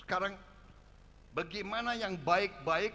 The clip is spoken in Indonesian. sekarang bagaimana yang baik baik